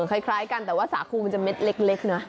คล้ายกันแต่ว่าสาคูมันจะเม็ดเล็กนะ